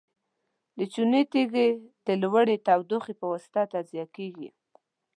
د چونې تیږې د لوړې تودوخې په واسطه تجزیه کیږي.